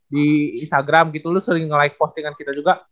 di instagram gitu lu sering nge like postingan kita juga